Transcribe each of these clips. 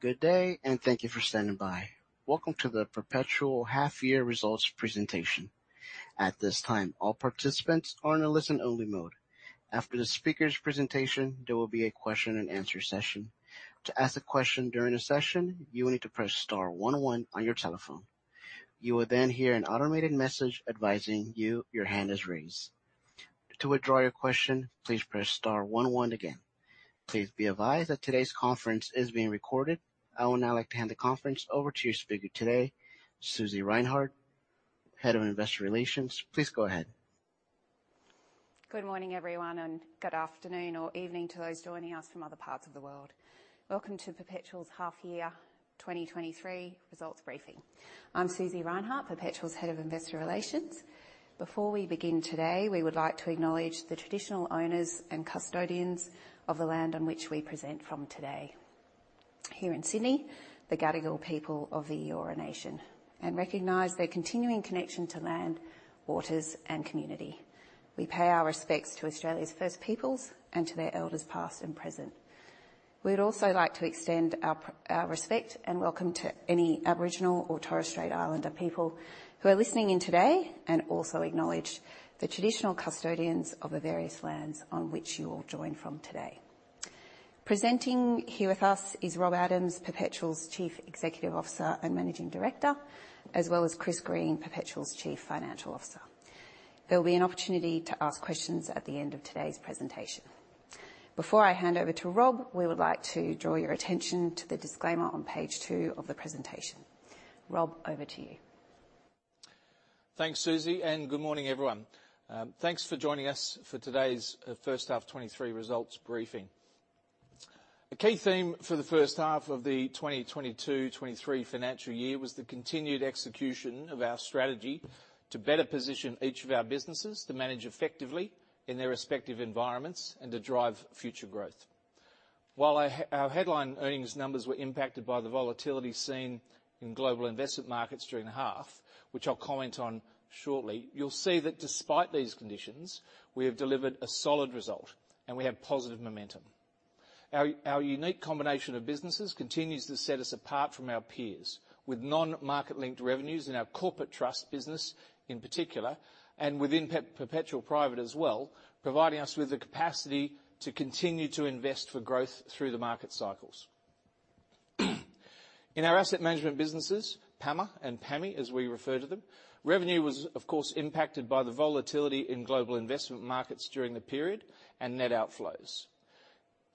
Good day, and thank you for standing by. Welcome to the Perpetual Half Year Results presentation. At this time, all participants are in a listen-only mode. After the speaker's presentation, there will be a question and answer session. To ask a question during the session, you will need to press star one one on your telephone. You will then hear an automated message advising you your hand is raised. To withdraw your question, please press star one one again. Please be advised that today's conference is being recorded. I would now like to hand the conference over to your speaker today, Susie Reinhart, Head of Investor Relations. Please go ahead. Good morning, everyone, good afternoon or evening to those joining us from other parts of the world. Welcome to Perpetual's Half Year 2023 Results Briefing. I'm Susie Reinhart, Perpetual's Head of Investor Relations. Before we begin today, we would like to acknowledge the traditional owners and custodians of the land on which we present from today. Here in Sydney, the Gadigal people of the Eora Nation, and recognize their continuing connection to land, waters, and community. We pay our respects to Australia's First Peoples and to their elders, past and present. We'd also like to extend our respect and welcome to any Aboriginal or Torres Strait Islander people who are listening in today and also acknowledge the traditional custodians of the various lands on which you all join from today. Presenting here with us is Rob Adams, Perpetual's Chief Executive Officer and Managing Director, as well as Chris Green, Perpetual's Chief Financial Officer. There'll be an opportunity to ask questions at the end of today's presentation. Before I hand over to Rob, we would like to draw your attention to the disclaimer on page two of the presentation. Rob, over to you. Thanks, Susie. Good morning, everyone. Thanks for joining us for today's first half 2023 results briefing. A key theme for the first half of the 2022/2023 financial year was the continued execution of our strategy to better position each of our businesses to manage effectively in their respective environments and to drive future growth. While our headline earnings numbers were impacted by the volatility seen in global investment markets during the half, which I'll comment on shortly, you'll see that despite these conditions, we have delivered a solid result, and we have positive momentum. Our unique combination of businesses continues to set us apart from our peers, with non-market-linked revenues in our Corporate Trust business in particular, and within Perpetual Private as well, providing us with the capacity to continue to invest for growth through the market cycles. In our asset management businesses, PAMA and PAMI, as we refer to them, revenue was, of course, impacted by the volatility in global investment markets during the period and net outflows.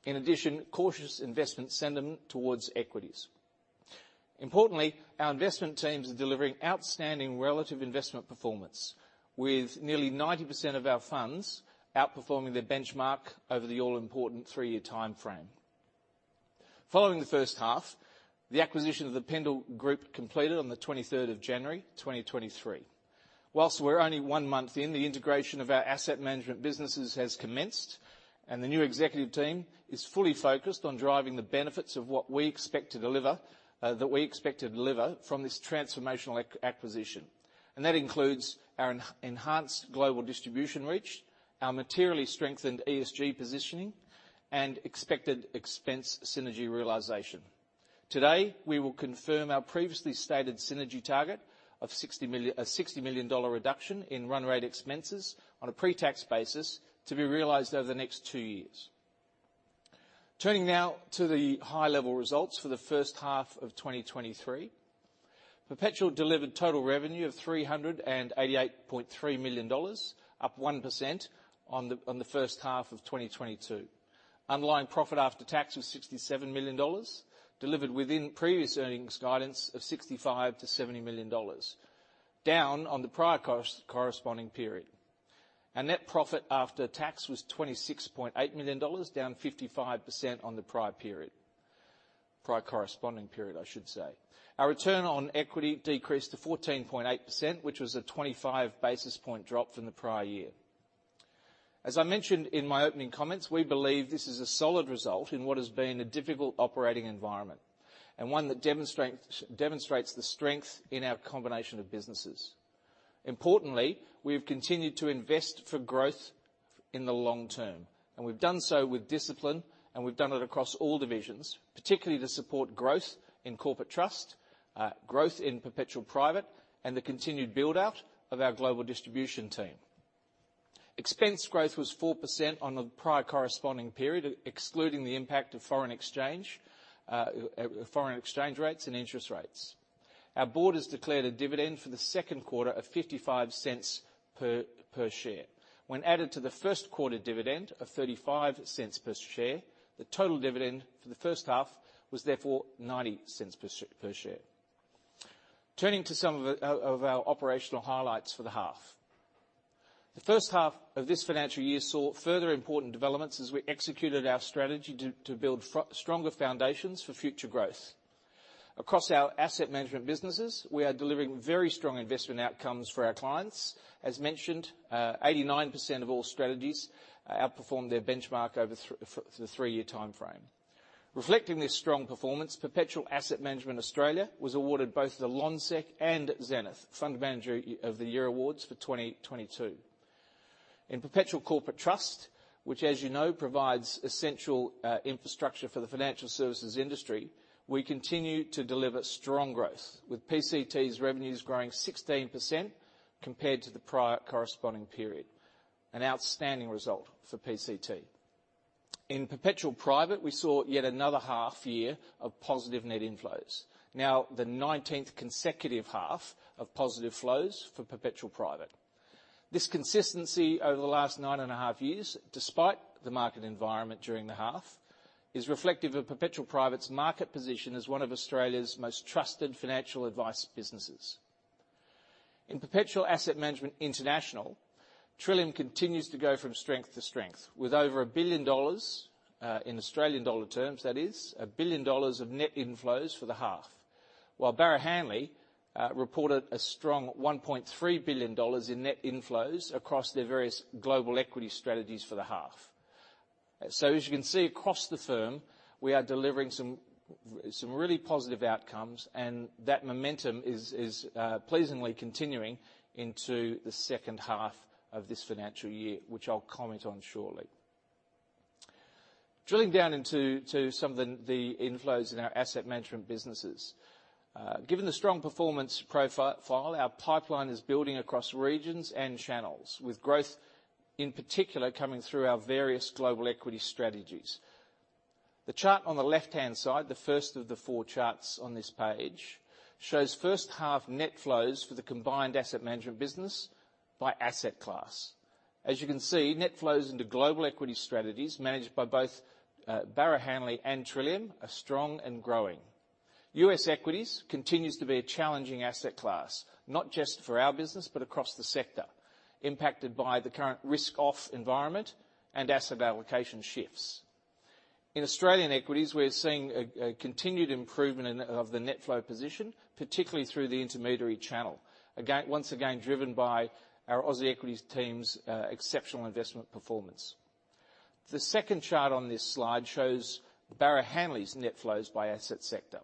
In addition, cautious investment sentiment towards equities. Importantly, our investment teams are delivering outstanding relative investment performance, with nearly 90% of our funds outperforming their benchmark over the all-important three-year timeframe. Following the first half, the acquisition of the Pendal Group completed on the 23rd of January, 2023. Whilst we're only 1 month in, the integration of our asset management businesses has commenced, and the new executive team is fully focused on driving the benefits of what we expect to deliver, that we expect to deliver from this transformational acquisition. That includes our enhanced global distribution reach, our materially strengthened ESG positioning, and expected expense synergy realization. Today, we will confirm our previously stated synergy target of AUD 60 million, a 60 million dollar reduction in run rate expenses on a pre-tax basis to be realized over the next two years. Turning now to the high-level results for the first half of 2023. Perpetual delivered total revenue of 388.3 million dollars, up 1% on the first half of 2022. Underlying profit after tax was 67 million dollars, delivered within previous earnings guidance of 65 million-70 million dollars, down on the prior corresponding period. Our net profit after tax was 26.8 million dollars, down 55% on the prior period. Prior corresponding period, I should say. Our return on equity decreased to 14.8%, which was a 25 basis point drop from the prior year. As I mentioned in my opening comments, we believe this is a solid result in what has been a difficult operating environment and one that demonstrates the strength in our combination of businesses. Importantly, we have continued to invest for growth in the long term, and we've done so with discipline, and we've done it across all divisions, particularly to support growth in Corporate Trust, growth in Perpetual Private, and the continued build-out of our global distribution team. Expense growth was 4% on the prior corresponding period, excluding the impact of foreign exchange, foreign exchange rates and interest rates. Our board has declared a dividend for the second quarter of 0.55 per share. When added to the first quarter dividend of 0.35 per share, the total dividend for the first half was therefore 0.90 per share. Turning to some of our operational highlights for the half. The first half of this financial year saw further important developments as we executed our strategy to build stronger foundations for future growth. Across our asset management businesses, we are delivering very strong investment outcomes for our clients. As mentioned, 89% of all strategies outperformed their benchmark for the three-year timeframe. Reflecting this strong performance, Perpetual Asset Management Australia was awarded both the Lonsec and Zenith Fund Manager of the Year awards for 2022. In Perpetual Corporate Trust, which as you know, provides essential infrastructure for the financial services industry, we continue to deliver strong growth, with PCT's revenues growing 16% compared to the prior corresponding period. An outstanding result for PCT. In Perpetual Private, we saw yet another half year of positive net inflows. The 19th consecutive half of positive flows for Perpetual Private. This consistency over the last nine and a half years, despite the market environment during the half, is reflective of Perpetual Private's market position as one of Australia's most trusted financial advice businesses. In Perpetual Asset Management International, Trillium continues to go from strength to strength, with over 1 billion dollars in Australian dollar terms that is, 1 billion dollars of net inflows for the half. Barrow Hanley reported a strong 1.3 billion dollars in net inflows across their various global equity strategies for the half. As you can see across the firm, we are delivering some really positive outcomes, and that momentum is pleasingly continuing into the second half of this financial year, which I'll comment on shortly. Drilling down into some of the inflows in our asset management businesses. Given the strong performance profile, our pipeline is building across regions and channels, with growth, in particular, coming through our various global equity strategies. The chart on the left-hand side, the first of the four charts on this page, shows first half net flows for the combined asset management business by asset class. As you can see, net flows into global equity strategies managed by both Barrow Hanley and Trillium are strong and growing. U.S. equities continues to be a challenging asset class, not just for our business, but across the sector, impacted by the current risk-off environment and asset allocation shifts. In Australian equities, we're seeing a continued improvement in the net flow position, particularly through the intermediary channel. Once again, driven by our Aussie equities team's exceptional investment performance. The second chart on this slide shows Barrow Hanley's net flows by asset sector.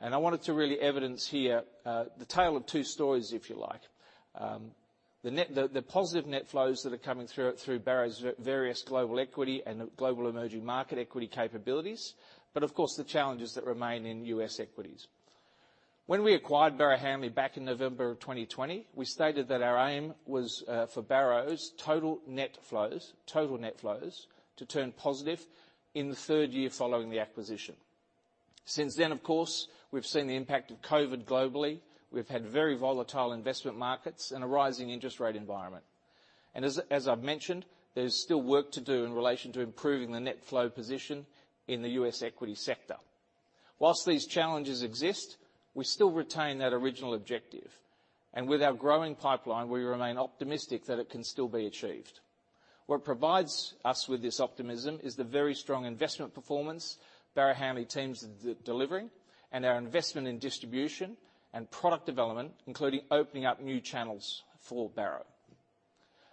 I wanted to really evidence here, the tale of two stories, if you like. The positive net flows that are coming through Barrow's various global equity and global emerging market equity capabilities, Of course, the challenges that remain in U.S. equities. When we acquired Barrow Hanley back in November of 2020, we stated that our aim was for Barrow's total net flows to turn positive in the third year following the acquisition. Since then, of course, we've seen the impact of COVID globally. We've had very volatile investment markets and a rising interest rate environment. As I've mentioned, there's still work to do in relation to improving the net flow position in the U.S. equity sector. While these challenges exist, we still retain that original objective. With our growing pipeline, we remain optimistic that it can still be achieved. What provides us with this optimism is the very strong investment performance Barrow Hanley teams are delivering and our investment in distribution and product development, including opening up new channels for Barrow.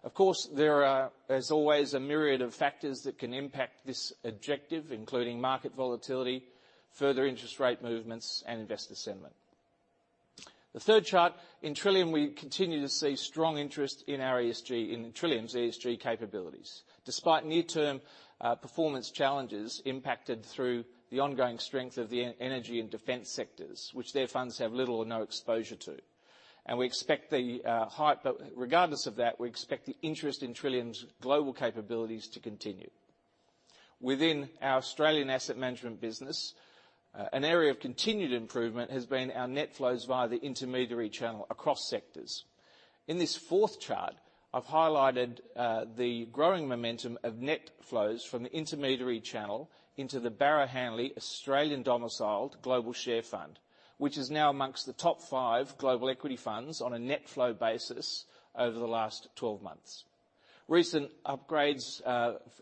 Of course, there are, as always, a myriad of factors that can impact this objective, including market volatility, further interest rate movements, and investor sentiment. The third chart, in Trillium, we continue to see strong interest in our ESG, in Trillium's ESG capabilities. Despite near-term performance challenges impacted through the ongoing strength of the energy and defense sectors, which their funds have little or no exposure to. Regardless of that, we expect the interest in Trillium's global capabilities to continue. Within our Australian asset management business, an area of continued improvement has been our net flows via the intermediary channel across sectors. In this fourth chart, I've highlighted the growing momentum of net flows from the intermediary channel into the Barrow Hanley Australian Domiciled Global Share Fund, which is now amongst the top five global equity funds on a net flow basis over the last 12 months. Recent upgrades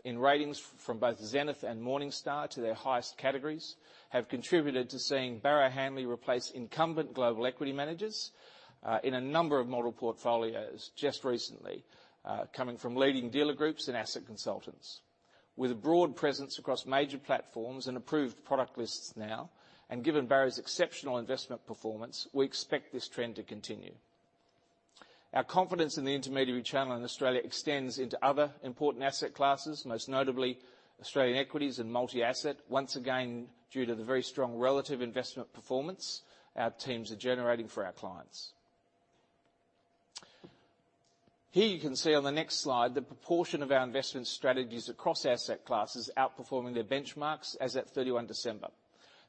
in ratings from both Zenith and Morningstar to their highest categories have contributed to seeing Barrow Hanley replace incumbent global equity managers in a number of model portfolios just recently, coming from leading dealer groups and asset consultants. With a broad presence across major platforms and approved product lists now, and given Barrow's exceptional investment performance, we expect this trend to continue. Our confidence in the intermediary channel in Australia extends into other important asset classes, most notably Australian Equities and Multi-Asset. Once again, due to the very strong relative investment performance our teams are generating for our clients. Here you can see on the next slide the proportion of our investment strategies across asset classes outperforming their benchmarks as at 31 December.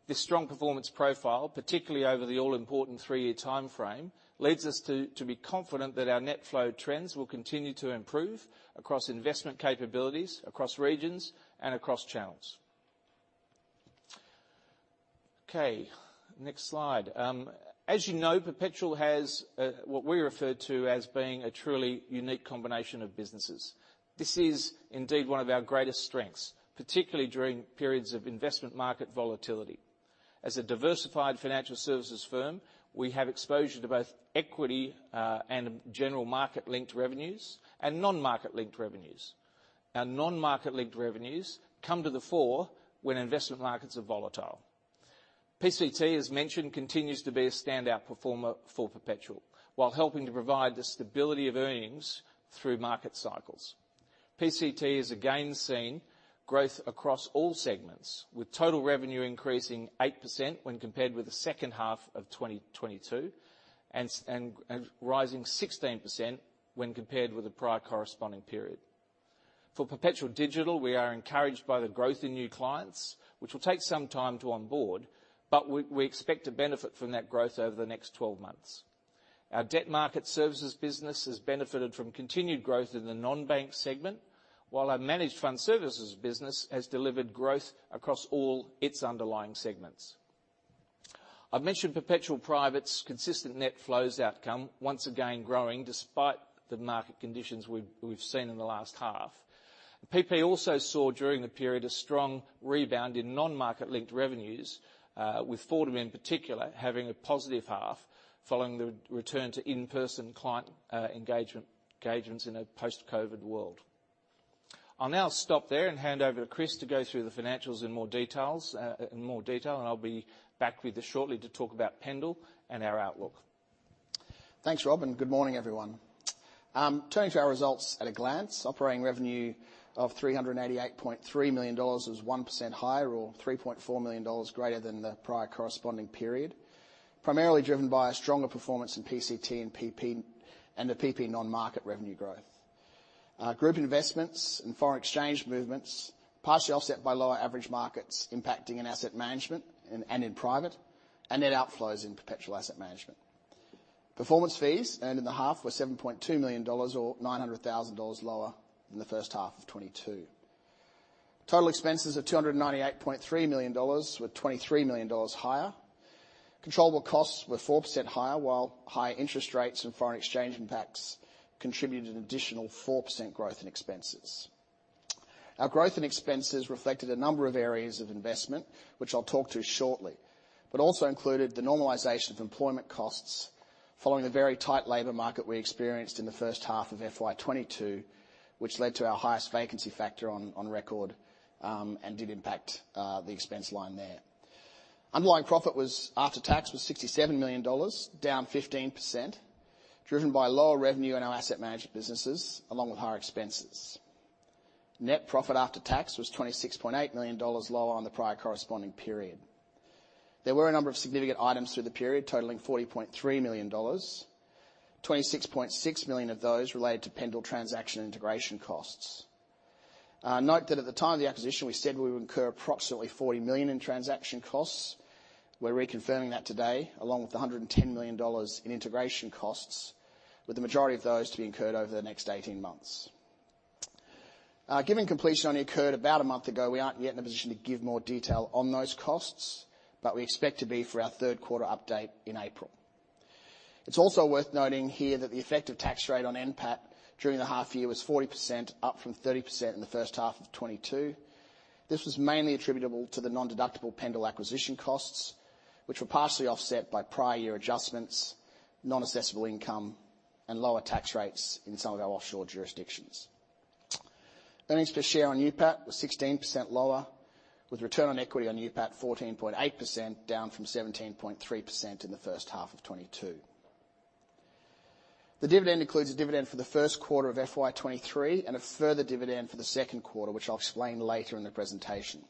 This strong performance profile, particularly over the all-important three-year timeframe, leads us to be confident that our net flow trends will continue to improve across investment capabilities, across regions, and across channels. Okay, next slide. As you know, Perpetual has what we refer to as being a truly unique combination of businesses. This is indeed one of our greatest strengths, particularly during periods of investment market volatility. As a diversified financial services firm, we have exposure to both equity and general market-linked revenues and non-market-linked revenues. Our non-market-linked revenues come to the fore when investment markets are volatile. PCT, as mentioned, continues to be a standout performer for Perpetual, while helping to provide the stability of earnings through market cycles. PCT is again seeing growth across all segments, with total revenue increasing 8% when compared with the second half of 2022 and rising 16% when compared with the prior corresponding period. For Perpetual Digital, we are encouraged by the growth in new clients, which will take some time to onboard, but we expect to benefit from that growth over the next 12 months. Our Debt Market Services business has benefited from continued growth in the non-bank segment, while our Managed Fund Services business has delivered growth across all its underlying segments. I've mentioned Perpetual Private's consistent net flows outcome once again growing despite the market conditions we've seen in the last half. PP also saw during the period a strong rebound in non-market-linked revenues, with Fordham in particular, having a positive half following the return to in-person client engagements in a post-COVID world. I'll now stop there and hand over to Chris to go through the financials in more detail, and I'll be back with you shortly to talk about Pendal and our outlook. Thanks, Rob, and good morning, everyone. Turning to our results at a glance. Operating revenue of 388.3 million dollars was 1% higher or 3.4 million dollars greater than the prior corresponding period. Primarily driven by a stronger performance in PCT and PP, and the PP non-market revenue growth. Group investments and foreign exchange movements, partially offset by lower average markets impacting in asset management and in private, and net outflows in Perpetual Asset Management. Performance fees ending the half were 7.2 million dollars or 900,000 dollars lower than the first half of 2022. Total expenses of 298.3 million dollars were 23 million dollars higher. Controllable costs were 4% higher, while higher interest rates and foreign exchange impacts contributed an additional 4% growth in expenses. Our growth in expenses reflected a number of areas of investment, which I'll talk to shortly. Also included the normalization of employment costs following the very tight labor market we experienced in the first half of FY 2022, which led to our highest vacancy factor on record, and did impact the expense line there. Underlying profit was, after tax, was 67 million dollars, down 15%, driven by lower revenue in our asset management businesses, along with higher expenses. Net profit after tax was 26.8 million dollars lower on the prior corresponding period. There were a number of significant items through the period, totaling 40.3 million dollars. 26.6 million of those related to Pendal transaction integration costs. Note that at the time of the acquisition, we said we would incur approximately 40 million in transaction costs. We're reconfirming that today, along with 110 million dollars in integration costs, with the majority of those to be incurred over the next 18 months. Given completion only occurred about a month ago, we aren't yet in a position to give more detail on those costs, but we expect to be for our third quarter update in April. It's also worth noting here that the effective tax rate on NPAT during the half year was 40%, up from 30% in the first half of 2022. This was mainly attributable to the non-deductible Pendal acquisition costs, which were partially offset by prior year adjustments, non-assessable income, and lower tax rates in some of our offshore jurisdictions. Earnings per share on NPAT were 16% lower, with return on equity on NPAT 14.8% down from 17.3% in the first half of 2022. The dividend includes a dividend for the first quarter of FY 2023 and a further dividend for the second quarter, which I'll explain later in the presentation.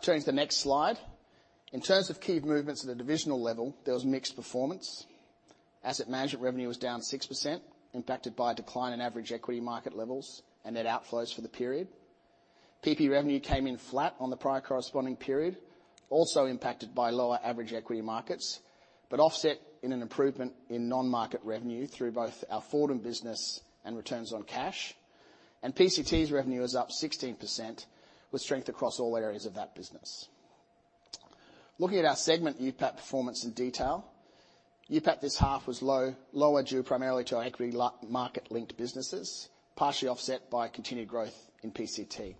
Turning to the next slide. In terms of key movements at the divisional level, there was mixed performance. Asset management revenue was down 6%, impacted by a decline in average equity market levels and net outflows for the period. PP revenue came in flat on the prior corresponding period, also impacted by lower average equity markets, offset in an improvement in non-market revenue through both our Fordham business and returns on cash. PCT's revenue is up 16%, with strength across all areas of that business. Looking at our segment NPAT performance in detail. NPAT this half was low, lower due primarily to our equity market linked businesses, partially offset by continued growth in PCT.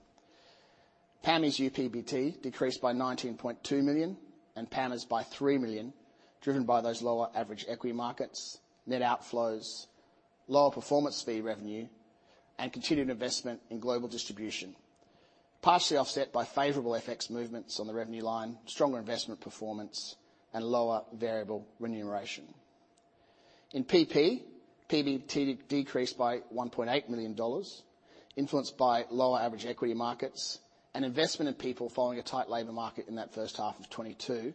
PAMI's UPBT decreased by 19.2 million and PANA's by 3 million, driven by those lower average equity markets, net outflows, lower performance fee revenue, and continued investment in global distribution. Partially offset by favorable FX movements on the revenue line, stronger investment performance, and lower variable remuneration. In PP, PBT decreased by 1.8 million dollars, influenced by lower average equity markets and investment in people following a tight labor market in that first half of 2022,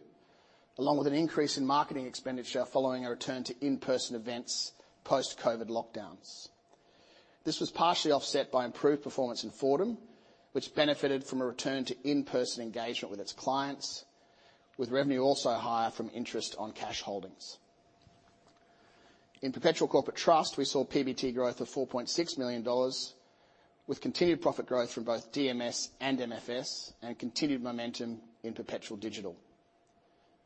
along with an increase in marketing expenditure following a return to in-person events post-COVID lockdowns. This was partially offset by improved performance in Fordham, which benefited from a return to in-person engagement with its clients, with revenue also higher from interest on cash holdings. In Perpetual Corporate Trust, we saw PBT growth of 4.6 million dollars, with continued profit growth from both DMS and MFS, and continued momentum in Perpetual Digital.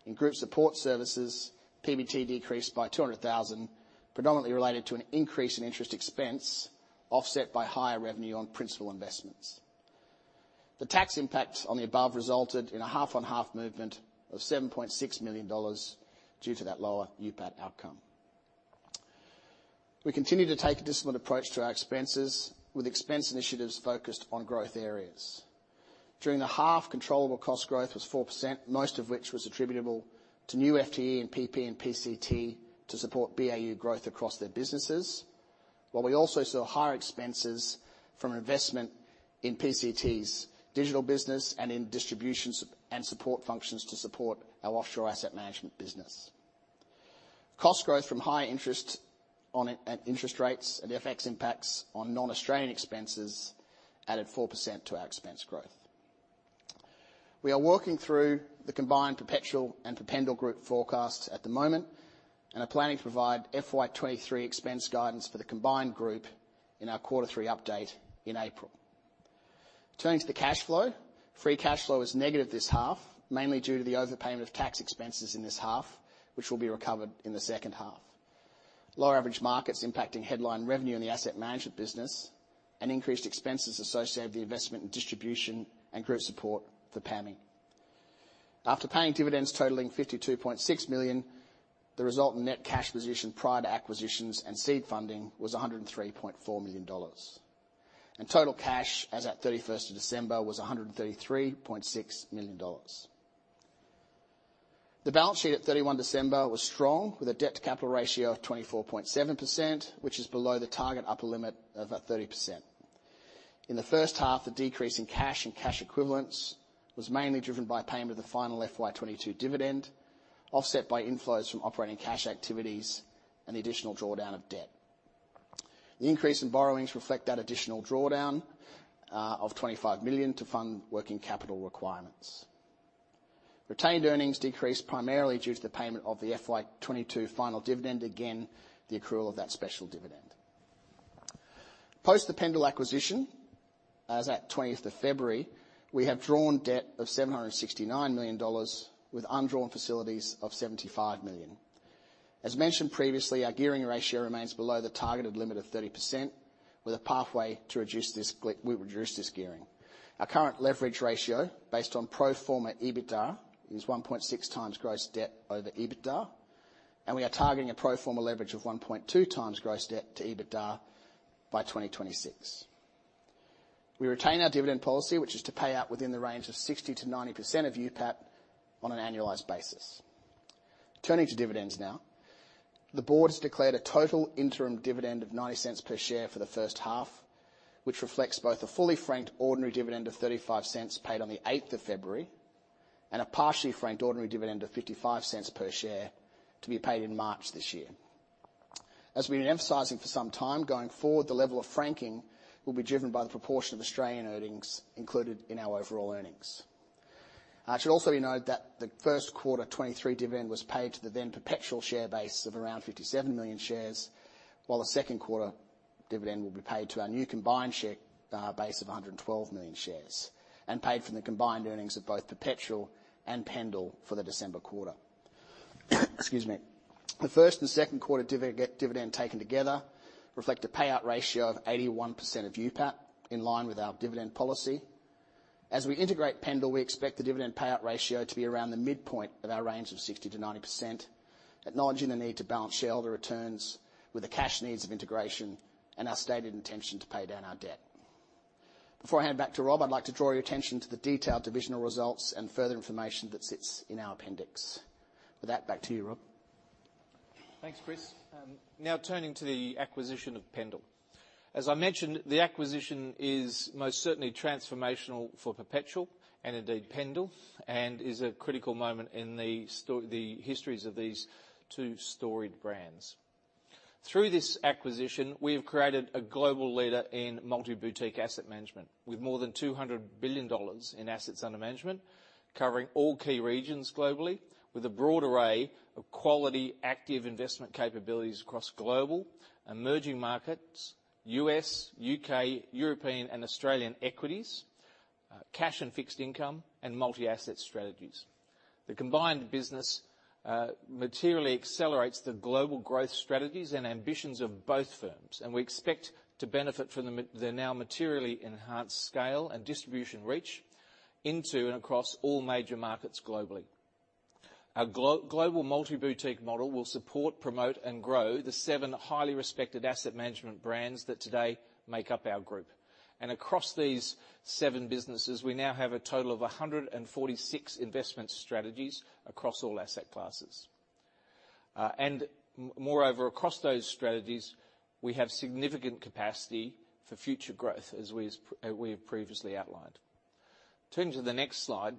In Group Support Services, PBT decreased by 200,000, predominantly related to an increase in interest expense offset by higher revenue on principal investments. The tax impact on the above resulted in a half-on-half movement of 7.6 million dollars due to that lower NPAT outcome. We continue to take a disciplined approach to our expenses, with expense initiatives focused on growth areas. During the half, controllable cost growth was 4%, most of which was attributable to new FTE and PP and PCT to support BAU growth across their businesses. We also saw higher expenses from investment in PCT's digital business and in distributions and support functions to support our offshore asset management business. Cost growth from high interest on in-at interest rates and FX impacts on non-Australian expenses added 4% to our expense growth. We are working through the combined Perpetual and the Pendal Group forecasts at the moment, and are planning to provide FY 2023 expense guidance for the combined group in our quarter three update in April. Turning to the cash flow. Free cash flow was negative this half, mainly due to the overpayment of tax expenses in this half, which will be recovered in the second half. Lower average markets impacting headline revenue in the asset management business, and increased expenses associated with the investment in distribution and group support for PAMI. After paying dividends totaling 52.6 million, the result in net cash position prior to acquisitions and seed funding was 103.4 million dollars. Total cash as at 31st of December was 133.6 million dollars. The balance sheet at 31 December was strong, with a debt-to-capital ratio of 24.7%, which is below the target upper limit of 30%. In the first half, the decrease in cash and cash equivalents was mainly driven by payment of the final FY 2022 dividend, offset by inflows from operating cash activities and the additional drawdown of debt. The increase in borrowings reflect that additional drawdown of 25 million to fund working capital requirements. Retained earnings decreased primarily due to the payment of the FY 2022 final dividend, again, the accrual of that special dividend. Post the Pendal acquisition, as at 20th of February, we have drawn debt of 769 million dollars with undrawn facilities of 75 million. As mentioned previously, our gearing ratio remains below the targeted limit of 30% with a pathway to reduce this, we will reduce this gearing. Our current leverage ratio based on pro forma EBITDA is 1.6x gross debt over EBITDA, and we are targeting a pro forma leverage of 1.2x gross debt to EBITDA by 2026. We retain our dividend policy, which is to pay out within the range of 60%-90% of UPAP on an annualized basis. Turning to dividends now. The board has declared a total interim dividend of 0.09 per share for the first half, which reflects both a fully franked ordinary dividend of 0.35 paid on the 8th of February, and a partially franked ordinary dividend of 0.55 per share to be paid in March this year. As we've been emphasizing for some time, going forward, the level of franking will be driven by the proportion of Australian earnings included in our overall earnings. It should also be noted that the first quarter 2023 dividend was paid to the then Perpetual share base of around 57 million shares, while the second quarter dividend will be paid to our new combined share base of 112 million shares, and paid from the combined earnings of both Perpetual and Pendal for the December quarter. Excuse me. The first and second quarter dividend taken together reflect a payout ratio of 81% of UPAP, in line with our dividend policy. As we integrate Pendal, we expect the dividend payout ratio to be around the midpoint of our range of 60%-90%, acknowledging the need to balance shareholder returns with the cash needs of integration and our stated intention to pay down our debt. Before I hand back to Rob, I'd like to draw your attention to the detailed divisional results and further information that sits in our appendix. With that, back to you, Rob. Thanks, Chris. Now turning to the acquisition of Pendal. As I mentioned, the acquisition is most certainly transformational for Perpetual and indeed Pendal, and is a critical moment in the histories of these two storied brands. Through this acquisition, we have created a global leader in multi-boutique asset management with more than 200 billion dollars in assets under management, covering all key regions globally with a broad array of quality active investment capabilities across global and emerging markets, U.S., U.K., European, and Australian equities, cash and fixed income, and multi-asset strategies. The combined business materially accelerates the global growth strategies and ambitions of both firms, and we expect to benefit from the now materially enhanced scale and distribution reach into and across all major markets globally. Our global multi-boutique model will support, promote, and grow the seven highly respected asset management brands that today make up our Group. Across these seven businesses, we now have a total of 146 investment strategies across all asset classes. Moreover, across those strategies, we have significant capacity for future growth as we have previously outlined. Turning to the next slide.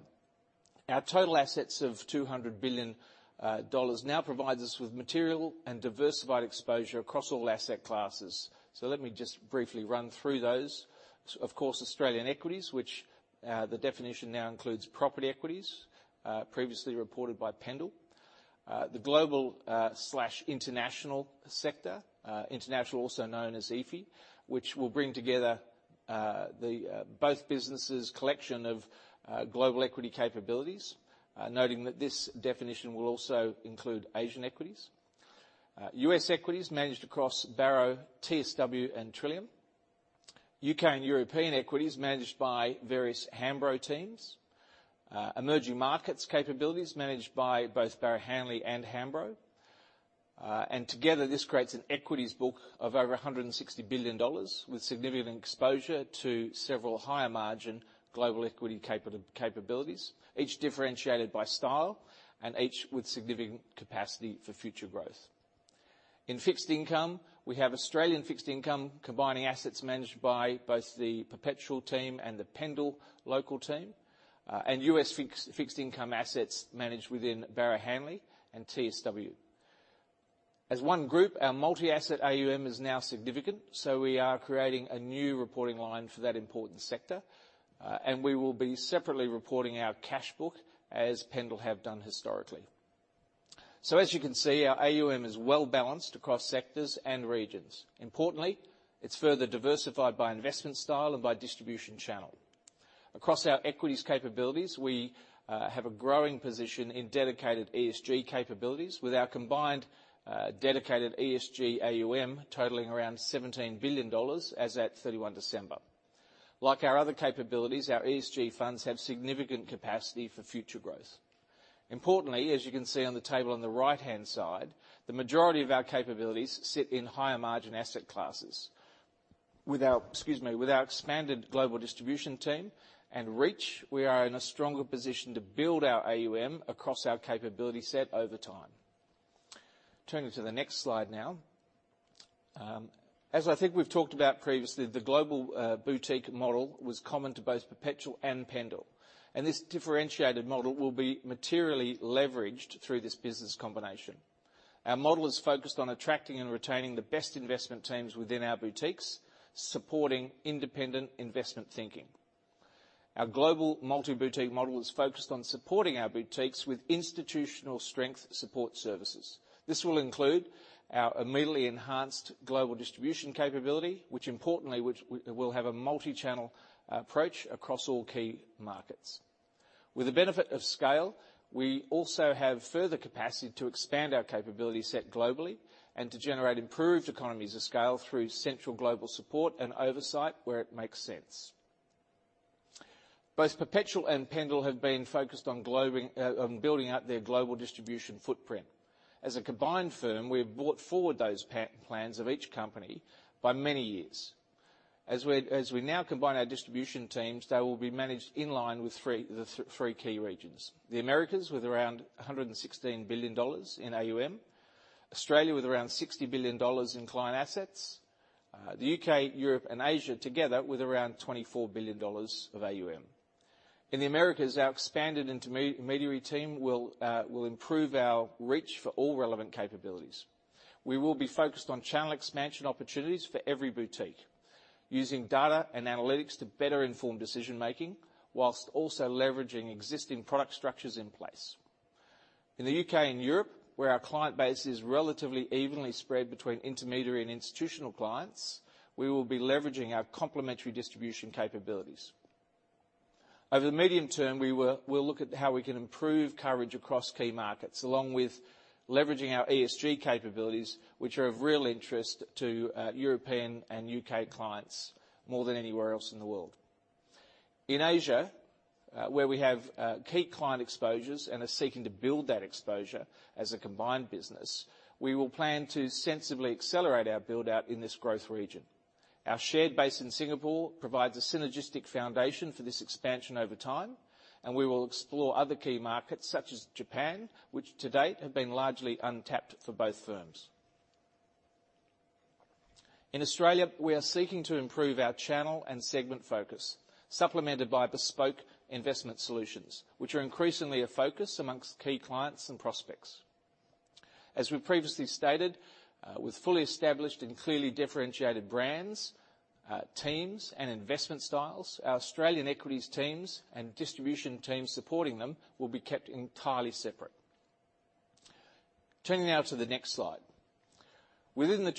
Our total assets of 200 billion dollars now provides us with material and diversified exposure across all asset classes. Let me just briefly run through those. Of course, Australian equities, which the definition now includes property equities, previously reported by Pendal. The global/international sector, international also known as EFI, which will bring together both businesses' collection of global equity capabilities, noting that this definition will also include Asian equities. US equities managed across Barrow, TSW and Trillium UK and European equities managed by various Hambro teams. Emerging markets capabilities managed by both Barrow Hanley and Hambro. Together this creates an equities book of over AUD 160 billion with significant exposure to several higher margin global equity capabilities, each differentiated by style and each with significant capacity for future growth. In fixed income, we have Australian fixed income combining assets managed by both the Perpetual team and the Pendal local team, and US fixed income assets managed within Barrow Hanley and TSW. One group, our multi-asset AUM is now significant, we are creating a new reporting line for that important sector, and we will be separately reporting our cash book as Pendal have done historically. As you can see, our AUM is well-balanced across sectors and regions. Importantly, it's further diversified by investment style and by distribution channel. Across our equities capabilities, we have a growing position in dedicated ESG capabilities with our combined dedicated ESG AUM totaling around $17 billion as at 31 December. Like our other capabilities, our ESG funds have significant capacity for future growth. Importantly, as you can see on the table on the right-hand side, the majority of our capabilities sit in higher margin asset classes. Excuse me. With our expanded global distribution team and reach, we are in a stronger position to build our AUM across our capability set over time. Turning to the next slide now. As I think we've talked about previously, the global boutique model was common to both Perpetual and Pendal, and this differentiated model will be materially leveraged through this business combination. Our model is focused on attracting and retaining the best investment teams within our boutiques, supporting independent investment thinking. Our global multi-boutique model is focused on supporting our boutiques with institutional strength support services. This will include our immediately enhanced global distribution capability, which importantly, which will have a multi-channel approach across all key markets. With the benefit of scale, we also have further capacity to expand our capability set globally and to generate improved economies of scale through central global support and oversight where it makes sense. Both Perpetual and Pendal have been focused on globing, on building out their global distribution footprint. As a combined firm, we have brought forward those plans of each company by many years. As we now combine our distribution teams, they will be managed in line with the three key regions. The Americas with around 116 billion dollars in AUM. Australia with around 60 billion dollars in client assets. The U.K., Europe, and Asia together with around 24 billion dollars of AUM. In the Americas, our expanded intermediary team will improve our reach for all relevant capabilities. We will be focused on channel expansion opportunities for every boutique using data and analytics to better inform decision-making while also leveraging existing product structures in place. In the U.K. and Europe, where our client base is relatively evenly spread between intermediary and institutional clients, we will be leveraging our complementary distribution capabilities. Over the medium term, we'll look at how we can improve coverage across key markets, along with leveraging our ESG capabilities, which are of real interest to European and U.K. Clients more than anywhere else in the world. In Asia, where we have key client exposures and are seeking to build that exposure as a combined business, we will plan to sensibly accelerate our build-out in this growth region. Our shared base in Singapore provides a synergistic foundation for this expansion over time, and we will explore other key markets such as Japan, which to date have been largely untapped for both firms. In Australia, we are seeking to improve our channel and segment focus, supplemented by bespoke investment solutions, which are increasingly a focus amongst key clients and prospects. As we previously stated, with fully established and clearly differentiated brands, teams, and investment styles, our Australian equities teams and distribution teams supporting them will be kept entirely separate. Turning now to the next slide. With the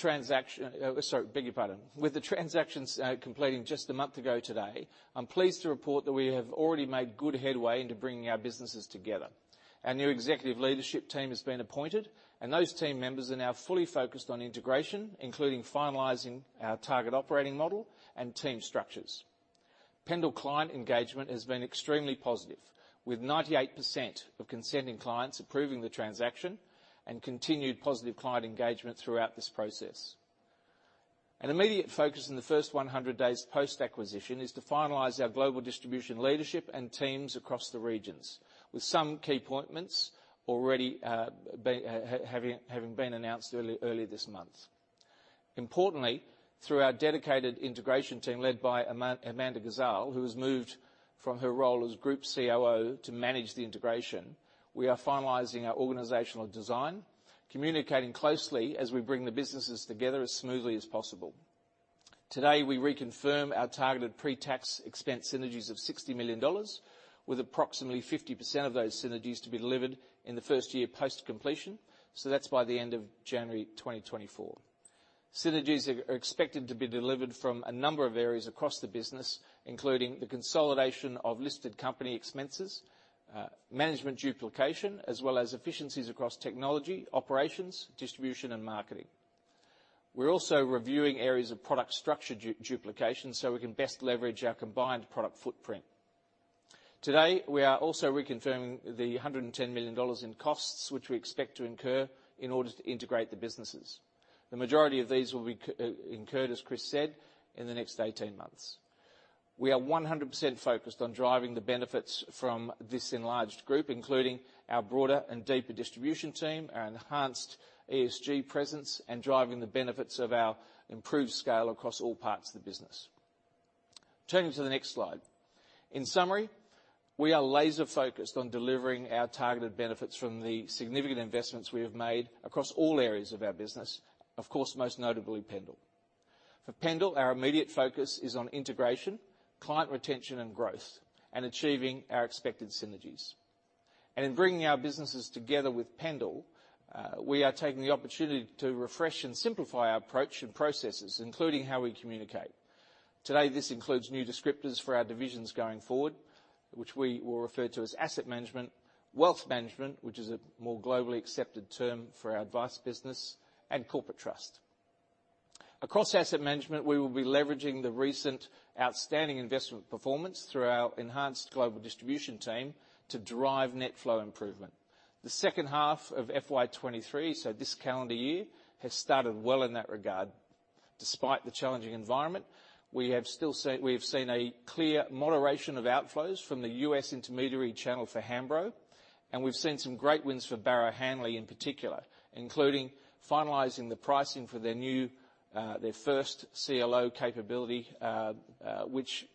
transactions completing just a month ago today, I'm pleased to report that we have already made good headway into bringing our businesses together. Our new executive leadership team has been appointed, and those team members are now fully focused on integration, including finalizing our target operating model and team structures. Pendal client engagement has been extremely positive, with 98% of consenting clients approving the transaction and continued positive client engagement throughout this process. An immediate focus in the first 100 days post-acquisition is to finalize our global distribution leadership and teams across the regions, with some key appointments already having been announced earlier this month. Importantly, through our dedicated integration team led by Amanda Gazal, who has moved from her role as Group COO to manage the integration, we are finalizing our organizational design, communicating closely as we bring the businesses together as smoothly as possible. Today, we reconfirm our targeted pre-tax expense synergies of 60 million dollars, with approximately 50% of those synergies to be delivered in the first year post completion, so that's by the end of January 2024. Synergies are expected to be delivered from a number of areas across the business, including the consolidation of listed company expenses, management duplication, as well as efficiencies across technology, operations, distribution, and marketing. We're also reviewing areas of product structure duplication so we can best leverage our combined product footprint. Today, we are also reconfirming the $110 million in costs which we expect to incur in order to integrate the businesses. The majority of these will be incurred, as Chris said, in the next 18 months. We are 100% focused on driving the benefits from this enlarged group, including our broader and deeper distribution team, our enhanced ESG presence, and driving the benefits of our improved scale across all parts of the business. Turning to the next slide. In summary, we are laser-focused on delivering our targeted benefits from the significant investments we have made across all areas of our business. Of course, most notably Pendal. For Pendal, our immediate focus is on integration, client retention and growth, and achieving our expected synergies. In bringing our businesses together with Pendal, we are taking the opportunity to refresh and simplify our approach and processes, including how we communicate. Today, this includes new descriptors for our divisions going forward, which we will refer to as asset management, wealth management, which is a more globally accepted term for our advice business, and corporate trust. Across asset management, we will be leveraging the recent outstanding investment performance through our enhanced global distribution team to derive net flow improvement. The second half of FY 2023, so this calendar year, has started well in that regard. Despite the challenging environment, we have seen a clear moderation of outflows from the US intermediary channel for Hambro, and we've seen some great wins for Barrow Hanley in particular, including finalizing the pricing for their new, their first CLO capability, which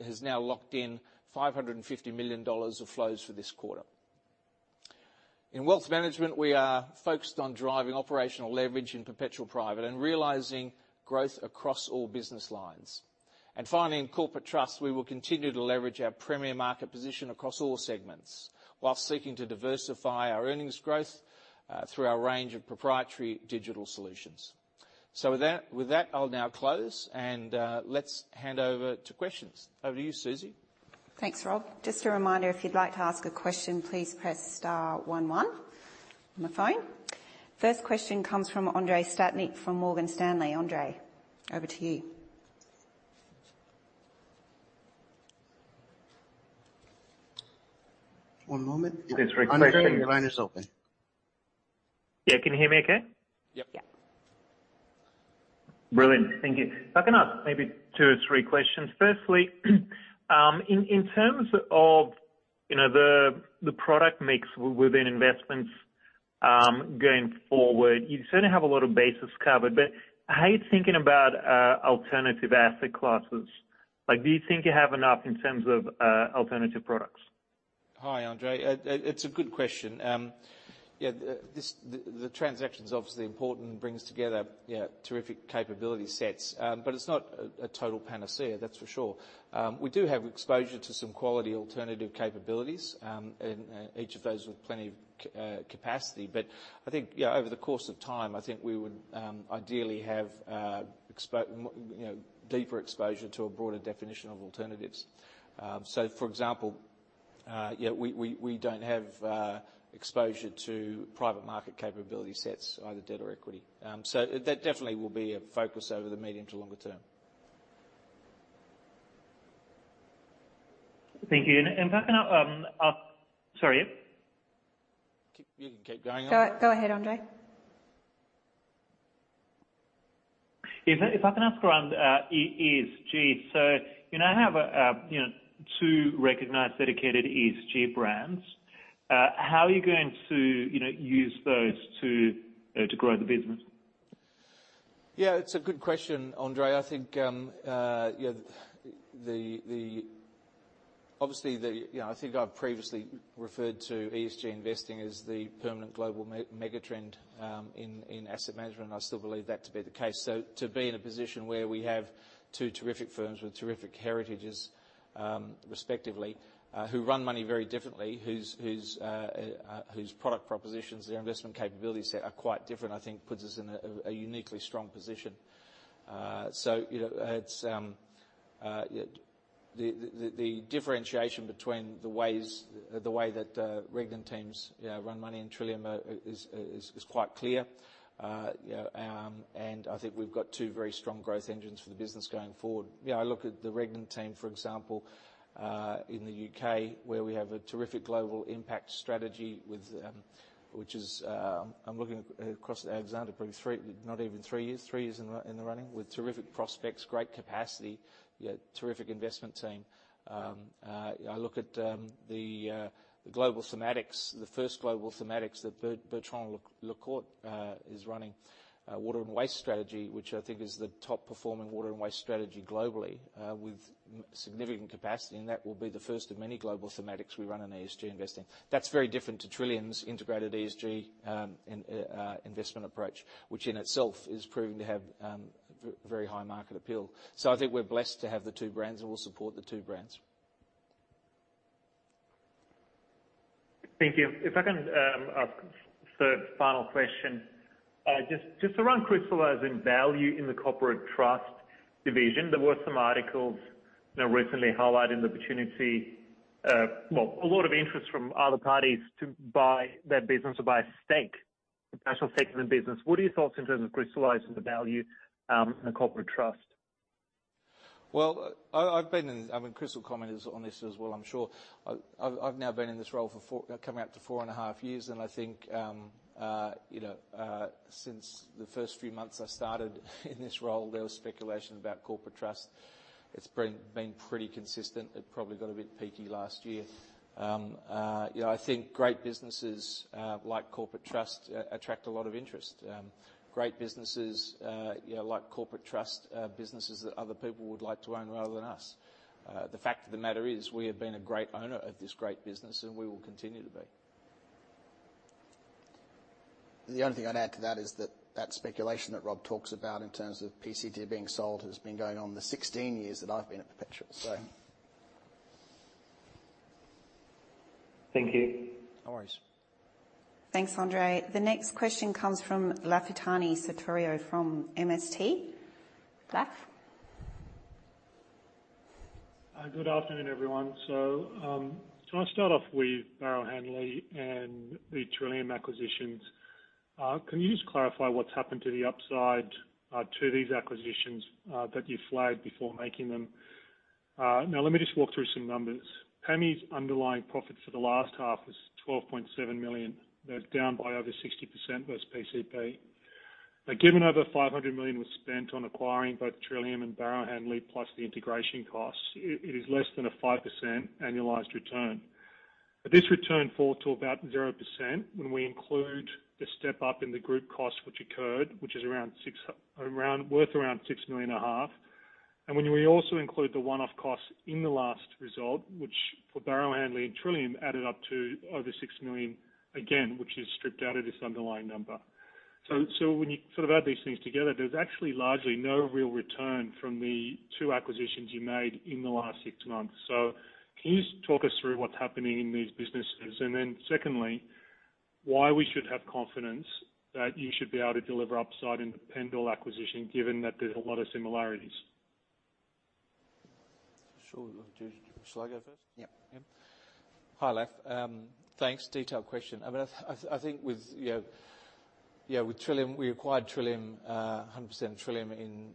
has now locked in $550 million of flows for this quarter. In wealth management, we are focused on driving operational leverage in Perpetual Private and realizing growth across all business lines. Finally, in corporate trust, we will continue to leverage our premier market position across all segments, whilst seeking to diversify our earnings growth through our range of proprietary digital solutions. With that, I'll now close and let's hand over to questions. Over to you, Susie. Thanks, Rob. Just a reminder, if you'd like to ask a question, please press star one one on the phone. First question comes from Andrei Stadnik from Morgan Stanley. Andrei, over to you. One moment, please. Andrei. Your line is open. Yeah. Can you hear me okay? Yep. Yeah. Brilliant. Thank you. If I can ask maybe two or three questions. Firstly, in terms of, you know, the product mix within investments, going forward, you certainly have a lot of bases covered. How are you thinking about alternative asset classes? Like, do you think you have enough in terms of alternative products? Hi, Andrei. It's a good question. Yeah, this, the transaction's obviously important, brings together, yeah, terrific capability sets. It's not a total panacea, that's for sure. We do have exposure to some quality alternative capabilities, and each of those with plenty of capacity. I think, yeah, over the course of time, I think we would, ideally have, you know, deeper exposure to a broader definition of alternatives. For example, yeah, we don't have exposure to private market capability sets, either debt or equity. That definitely will be a focus over the medium to longer term. Thank you. If I can ask... Sorry. You can keep going. Go ahead, Andrei. If I can ask around ESG. You now have, you know, two recognized dedicated ESG brands. How are you going to, you know, use those to grow the business? It's a good question, Andrei. I think, you know, the, obviously the, you know, I think I've previously referred to ESG investing as the permanent global megatrend in asset management. I still believe that to be the case. To be in a position where we have two terrific firms with terrific heritages, respectively, who run money very differently, whose product propositions, their investment capabilities set are quite different, I think puts us in a uniquely strong position. You know, it's, the differentiation between the ways, the way that Regnan teams run money and Trillium is quite clear. And I think we've got two very strong growth engines for the business going forward. You know, I look at the Regnan team, for example, in the U.K., where we have a terrific global impact strategy with, which is, I'm looking across at Alexander, probably three, not even three years, three years in the, in the running with terrific prospects, great capacity, yet terrific investment team. I look at the global thematics, the first global thematics that Bertrand Lecourt is running, water and waste strategy, which I think is the top performing water and waste strategy globally, with significant capacity, and that will be the first of many global thematics we run in ESG investing. That's very different to Trillium's integrated ESG investment approach, which in itself is proving to have very high market appeal. I think we're blessed to have the two brands, and we'll support the two brands. Thank you. If I can ask the final question, just around crystallizing value in the Corporate Trust division. There were some articles, you know, recently highlighting the opportunity, well, a lot of interest from other parties to buy that business or buy a stake. What are your thoughts in terms of crystallizing the value in the Corporate Trust? Well, I mean, Chris will comment on this as well, I'm sure. I've now been in this role for four, coming up to four and a half years. I think, you know, since the first few months I started in this role, there was speculation about Corporate Trust. It's been pretty consistent. It probably got a bit peaky last year. You know, I think great businesses, like Corporate Trust, attract a lot of interest. Great businesses, you know, like Corporate Trust, businesses that other people would like to own rather than us. The fact of the matter is we have been a great owner of this great business. We will continue to be. The only thing I'd add to that is that that speculation that Rob talks about in terms of PCT being sold has been going on the 16 years that I've been at Perpetual, so. Thank you. No worries. Thanks, Andrei. The next question comes from Lafitani Sotiriou from MST. Laf? Good afternoon, everyone. Can I start off with Barrow Hanley and the Trillium acquisitions? Can you just clarify what's happened to the upside to these acquisitions that you flagged before making them? Let me just walk through some numbers. PAMI's underlying profit for the last half was 12.7 million. They're down by over 60% versus PCP. Given over 500 million was spent on acquiring both Trillium and Barrow Hanley plus the integration costs, it is less than a 5% annualized return. This return fell to about 0% when we include the step-up in the group cost which occurred, which is worth around 6 million and a half. When we also include the one-off costs in the last result, which for Barrow Hanley and Trillium added up to over 6 million, again, which is stripped out of this underlying number. When you sort of add these things together, there's actually largely no real return from the two acquisitions you made in the last six months. Can you just talk us through what's happening in these businesses? Then secondly, why we should have confidence that you should be able to deliver upside in the Pendal acquisition, given that there's a lot of similarities? Sure. Shall I go first? Yeah. Yeah. Hi, Laf. Thanks. Detailed question. I mean, I think with, you know, yeah, with Trillium, we acquired Trillium, 100% of Trillium in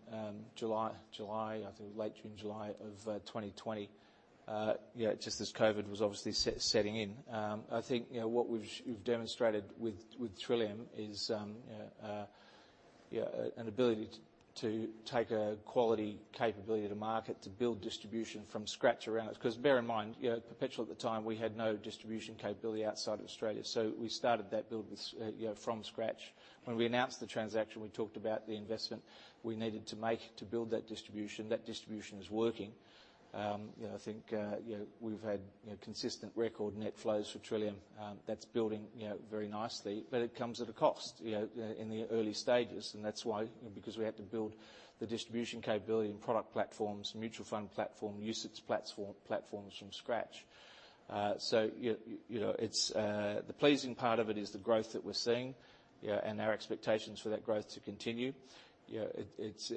July, I think late June, July of 2020. You know, just as COVID was obviously setting in. I think, you know, what we've demonstrated with Trillium is, yeah, an ability to take a quality capability to market, to build distribution from scratch around it. Bear in mind, you know, Perpetual at the time, we had no distribution capability outside of Australia, so we started that build, you know, from scratch. When we announced the transaction, we talked about the investment we needed to make to build that distribution. That distribution is working. You know, I think, you know, we've had, you know, consistent record net flows for Trillium. That's building, you know, very nicely, but it comes at a cost, you know, in the early stages. That's why, you know, because we had to build the distribution capability and product platforms, mutual fund platform, usage platform, platforms from scratch. You, you know, it's, the pleasing part of it is the growth that we're seeing, yeah, and our expectations for that growth to continue. You know, it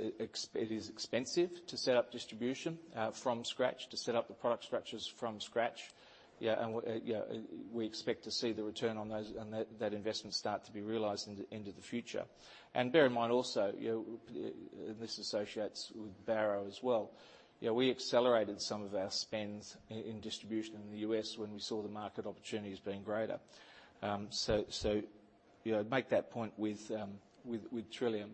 is expensive to set up distribution from scratch, to set up the product structures from scratch. Yeah, and, you know, we expect to see the return on those, on that investment start to be realized in the, in the future. Bear in mind also, you know, and this associates with Barrow as well, you know, we accelerated some of our spends in distribution in the U.S. when we saw the market opportunities being greater. You know, make that point with Trillium.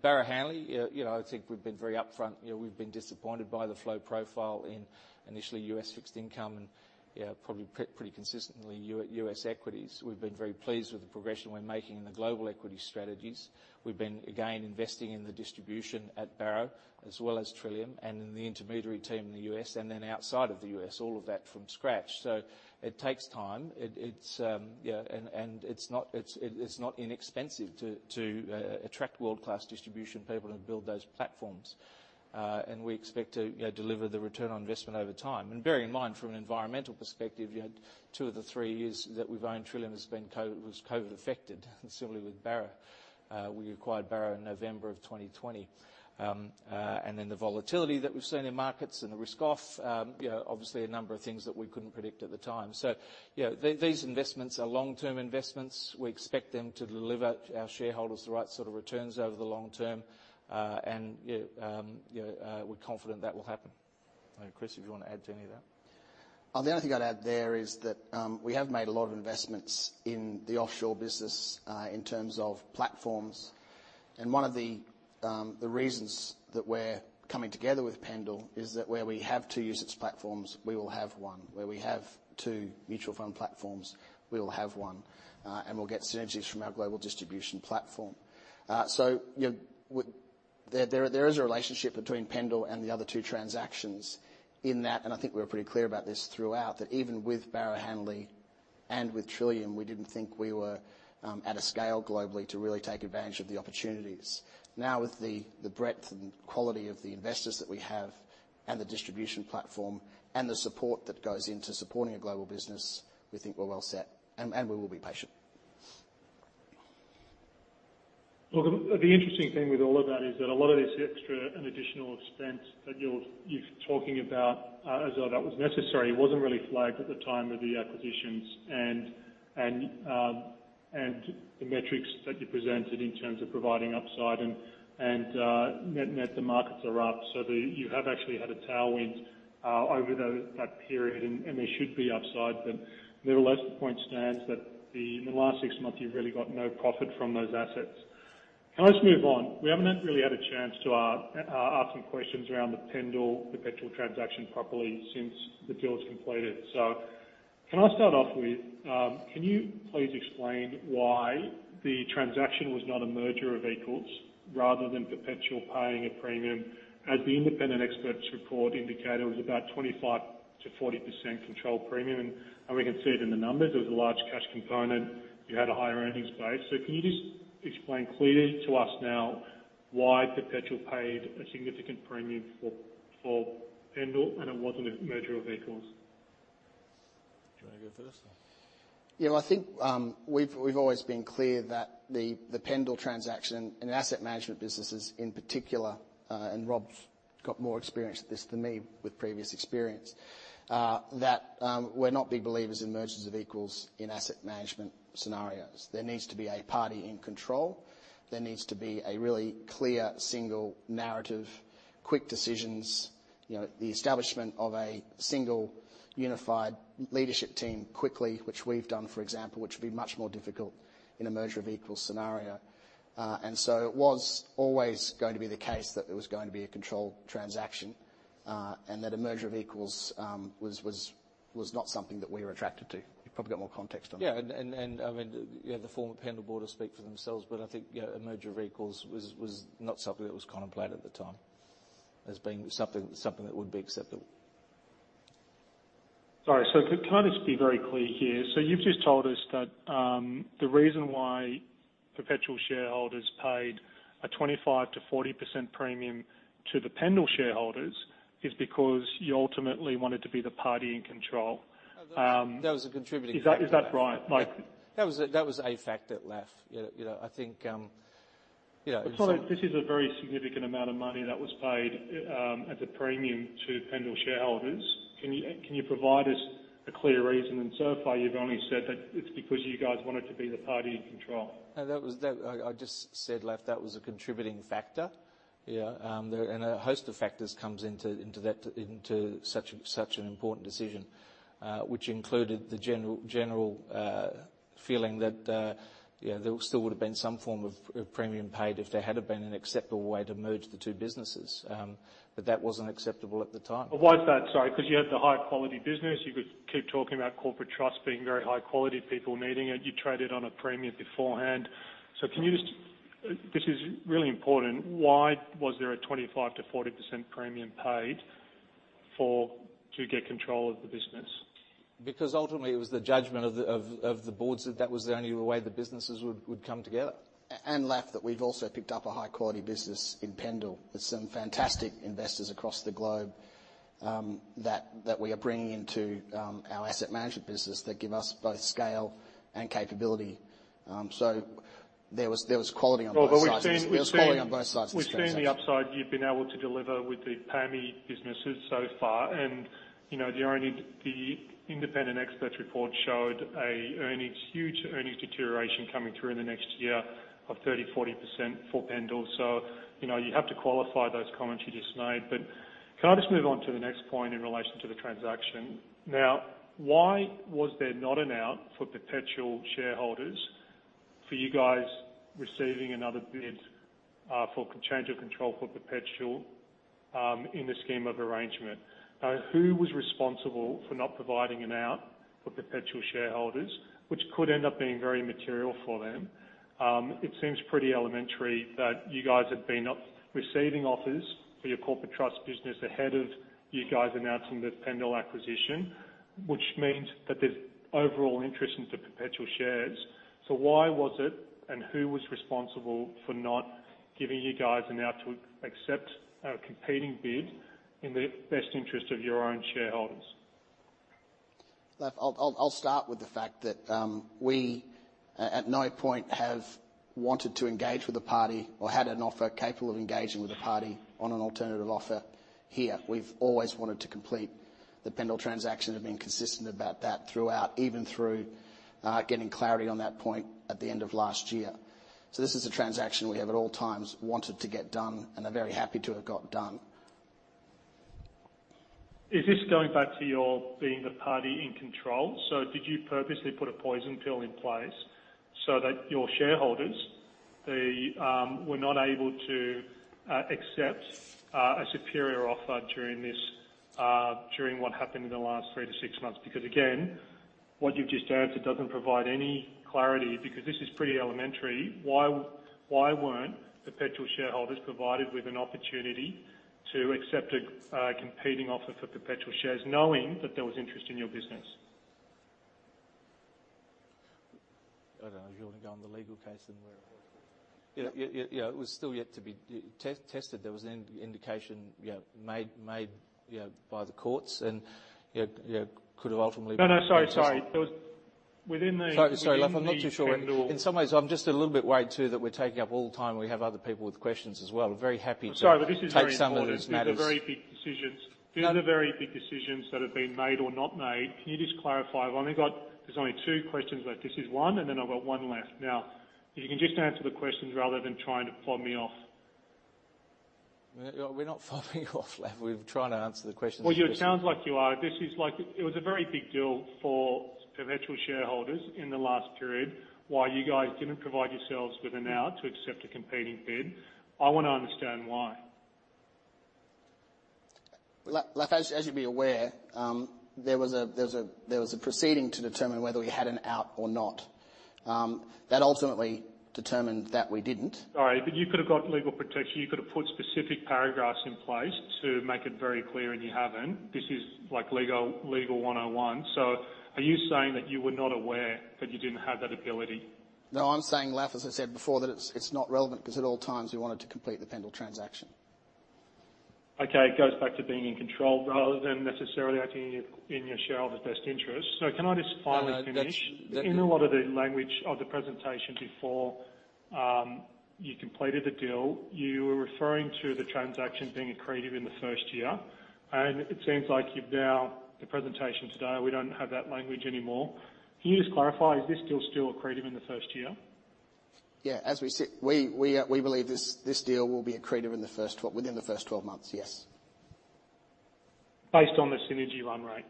Barrow Hanley, you know, I think we've been very upfront. You know, we've been disappointed by the flow profile in initially U.S. fixed income and, you know, probably pretty consistently U.S. equities. We've been very pleased with the progression we're making in the global equity strategies. We've been, again, investing in the distribution at Barrow as well as Trillium and in the intermediary team in the U.S. and then outside of the U.S., all of that from scratch. It takes time. It's, yeah, and it's not inexpensive to attract world-class distribution people and build those platforms. We expect to, you know, deliver the return on investment over time. Bear in mind, from an environmental perspective, you had two of the three years that we've owned Trillium has been COVID, was COVID affected, and similarly with Barrow. We acquired Barrow in November of 2020. Then the volatility that we've seen in markets and the risk off, you know, obviously a number of things that we couldn't predict at the time. You know, these investments are long-term investments. We expect them to deliver our shareholders the right sort of returns over the long term, you know, we're confident that will happen. I don't know, Chris, if you want to add to any of that. The only thing I'd add there is that we have made a lot of investments in the offshore business in terms of platforms. One of the reasons that we're coming together with Pendal is that where we have 2 usage platforms, we will have 1. Where we have 2 mutual fund platforms, we will have 1. We'll get synergies from our global distribution platform. You know, there is a relationship between Pendal and the other 2 transactions in that, and I think we're pretty clear about this throughout, that even with Barrow Hanley and with Trillium, we didn't think we were at a scale globally to really take advantage of the opportunities. With the breadth and quality of the investors that we have and the distribution platform and the support that goes into supporting a global business, we think we're well set, and we will be patient. Well, the interesting thing with all of that is that a lot of this extra and additional expense that you're talking about, as though that was necessary, wasn't really flagged at the time of the acquisitions and the metrics that you presented in terms of providing upside and, net the markets are up. You have actually had a tailwind over that period, and there should be upside. Nevertheless, the point stands that in the last six months, you've really got no profit from those assets. Can I just move on? We haven't really had a chance to ask some questions around the Pendal, Perpetual transaction properly since the deal is completed. Can I start off with, can you please explain why the transaction was not a merger of equals rather than Perpetual paying a premium as the independent expert's report indicated it was about 25%-40% control premium? We can see it in the numbers. There was a large cash component. You had a higher earnings base. Can you just explain clearly to us now why Perpetual paid a significant premium for Pendal, and it wasn't a merger of equals? Do you wanna go first? I think we've always been clear that the Pendal transaction and asset management businesses in particular, and Rob's got more experience at this than me with previous experience, that we're not big believers in mergers of equals in asset management scenarios. There needs to be a party in control. There needs to be a really clear single narrative, quick decisions, you know, the establishment of a single unified leadership team quickly, which we've done, for example, which would be much more difficult in a merger of equals scenario. It was always going to be the case that there was going to be a control transaction, and that a merger of equals was not something that we were attracted to. You've probably got more context on that. Yeah. I mean, you have the former Pendal board to speak for themselves, but I think, you know, a merger of equals was not something that was contemplated at the time as being something that would be acceptable. Sorry. Can I just be very clear here? You've just told us that, the reason why Perpetual shareholders paid a 25%-40% premium to the Pendal shareholders is because you ultimately wanted to be the party in control? That was a contributing factor. Is that right? That was a factor, Laf. You know, I think, you know. Sorry. This is a very significant amount of money that was paid, as a premium to Pendal shareholders. Can you provide us a clear reason? So far, you've only said that it's because you guys wanted to be the party in control. No. That was. I just said, Laf, that was a contributing factor. Yeah. There. A host of factors comes into that, into such an important decision, which included the general feeling that, you know, there still would have been some form of premium paid if there had have been an acceptable way to merge the two businesses. That wasn't acceptable at the time. Why is that? Sorry, 'cause you had the high-quality business. You could keep talking about corporate trust being very high quality, people needing it. You traded on a premium beforehand. Can you just... This is really important. Why was there a 25%-40% premium paid for, to get control of the business? Ultimately, it was the judgment of the boards that that was the only way the businesses would come together. Laf, that we'd also picked up a high-quality business in Pendal with some fantastic investors across the globe, that we are bringing into our asset management business that give us both scale and capability. There was quality on both sides. Well, we've seen. There was quality on both sides of the transaction. We've seen the upside you've been able to deliver with the PAMI businesses so far. you know, the independent expert's report showed a earnings, huge earnings deterioration coming through in the next year of 30%, 40% for Pendal. you know, you have to qualify those comments you just made. Can I just move on to the next point in relation to the transaction? Now, why was there not an out for Perpetual shareholders for you guys receiving another bid, for change of control for Perpetual, in the scheme of arrangement? Who was responsible for not providing an out for Perpetual shareholders, which could end up being very material for them? It seems pretty elementary that you guys had been up receiving offers for your corporate trust business ahead of you guys announcing the Pendal acquisition, which means that there's overall interest into Perpetual shares. Why was it, and who was responsible for not giving you guys an out to accept a competing bid in the best interest of your own shareholders? Laf, I'll start with the fact that we at no point have wanted to engage with a party or had an offer capable of engaging with a party on an alternative offer here. We've always wanted to complete the Pendal transaction and been consistent about that throughout, even through getting clarity on that point at the end of last year. This is a transaction we have at all times wanted to get done and are very happy to have got done. Is this going back to your being the party in control? Did you purposely put a poison pill in place so that your shareholders, they were not able to accept a superior offer during this during what happened in the last 3-6 months? Again, what you've just answered doesn't provide any clarity because this is pretty elementary. Why weren't Perpetual shareholders provided with an opportunity to accept a competing offer for Perpetual shares, knowing that there was interest in your business? I don't know. If you wanna go on the legal case, then you know, it was still yet to be tested. There was an indication, you know, made, you know, by the courts and, you know, could have. No. Sorry. Within the Pendal... Sorry, Laf. I'm not too sure. In some ways, I'm just a little bit worried too that we're taking up all the time. We have other people with questions as well. I'm very happy to. I'm sorry, but this is very important take some of these matters. These are very big decisions. These are very big decisions that have been made or not made. Can you just clarify? I've only got. There's only two questions left. This is one, and then I've got one left. Now, if you can just answer the questions rather than trying to fob me off. We're not fobbing you off, Laf. We're trying to answer the questions as best as- Well, you sound like you are. It was a very big deal for Perpetual shareholders in the last period while you guys didn't provide yourselves with an out to accept a competing bid. I wanna understand why? Laf, as you'd be aware, there was a proceeding to determine whether we had an out or not. That ultimately determined that we didn't. Sorry, but you could have got legal protection. You could have put specific paragraphs in place to make it very clear, and you haven't. This is, like, legal 101. Are you saying that you were not aware that you didn't have that ability? No, I'm saying, Laf, as I said before, that it's not relevant because at all times we wanted to complete the Pendal transaction. Okay, it goes back to being in control rather than necessarily acting in your, in your shareholders' best interest. Can I just finally finish? No, that's. In a lot of the language of the presentation before, you completed the deal, you were referring to the transaction being accretive in the first year. It seems like the presentation today, we don't have that language anymore. Can you just clarify, is this deal still accretive in the first year? Yeah. As we sit, we believe this deal will be accretive within the first 12 months, yes. Based on the synergy run rate.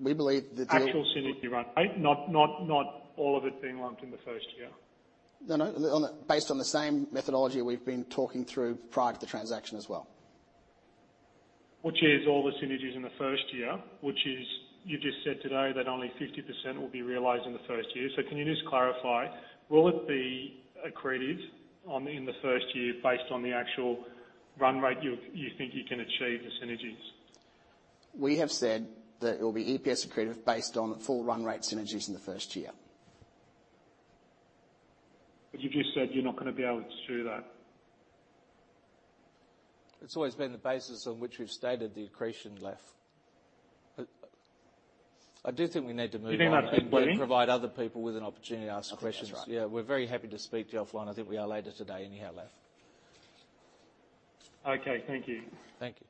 We believe the Actual synergy run rate, not all of it being lumped in the first year. No, no. Based on the same methodology we've been talking through prior to the transaction as well. Which is all the synergies in the first year, which is you just said today that only 50% will be realized in the first year. Can you just clarify, will it be accretive in the first year based on the actual run rate you think you can achieve the synergies? We have said that it will be EPS accretive based on full run rate synergies in the first year. You've just said you're not gonna be able to do that. It's always been the basis on which we've stated the accretion, Laf. I do think we need to move on- You think I've been bleeding? Provide other people with an opportunity to ask questions. I think that's right. Yeah. We're very happy to speak to you offline. I think we are later today anyhow, Laf. Okay. Thank you. Thank you.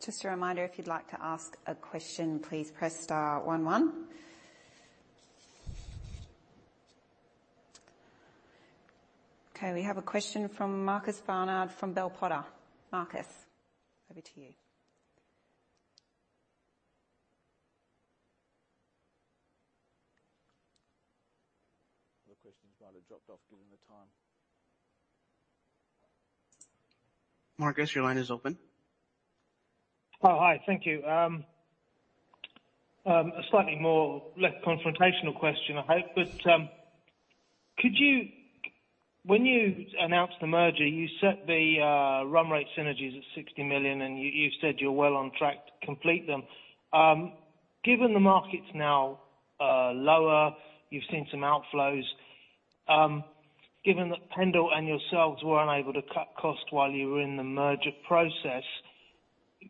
Just a reminder, if you'd like to ask a question, please press star one one. We have a question from Marcus Barnard from Bell Potter. Marcus, over to you. Other questions might have dropped off given the time. Marcus, your line is open. Oh, hi. Thank you. A slightly more less confrontational question, I hope. Could you... When you announced the merger, you set the run rate synergies at 60 million, and you've said you're well on track to complete them. Given the market's now lower, you've seen some outflows. Given that Pendal and yourselves were unable to cut costs while you were in the merger process,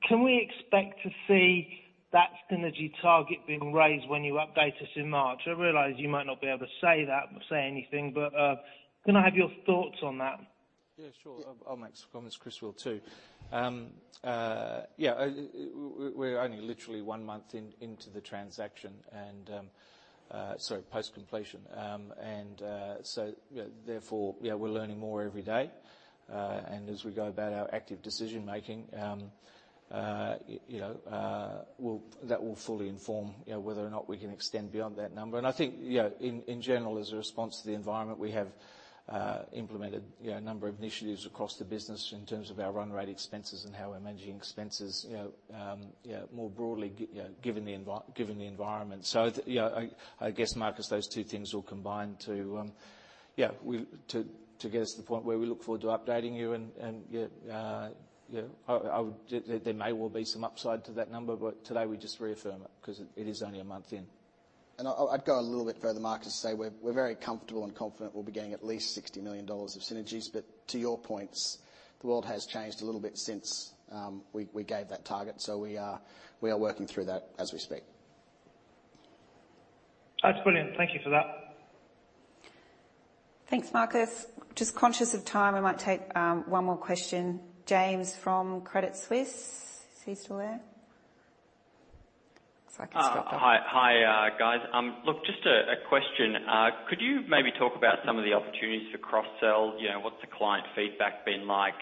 can we expect to see that synergy target being raised when you update us in March? I realize you might not be able to say that, say anything, but can I have your thoughts on that? Yeah, sure. I'll make some comments. Chris will too. Yeah, we're only literally one month in, into the transaction and so post-completion. You know, therefore, yeah, we're learning more every day. As we go about our active decision-making, you know, we'll... That will fully inform, you know, whether or not we can extend beyond that number. I think, you know, in general, as a response to the environment, we have implemented, you know, a number of initiatives across the business in terms of our run rate expenses and how we're managing expenses, you know, more broadly given the environment. You know, I guess, Marcus, those two things all combine to, yeah, we... To get us to the point where we look forward to updating you and yeah, you know. There may well be some upside to that number, but today we just reaffirm it 'cause it is only a month in. I'd go a little bit further, Marcus, to say we're very comfortable and confident we'll be getting at least AUD 60 million of synergies. To your points, the world has changed a little bit since we gave that target. We are working through that as we speak. That's brilliant. Thank you for that. Thanks, Marcus. Just conscious of time, we might take one more question. James from Credit Suisse. Is he still there? Looks like he's dropped off. Hi. Hi, guys. Look, just a question. Could you maybe talk about some of the opportunities for cross-sell? You know, what's the client feedback been like,